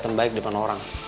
berantem baik di depan orang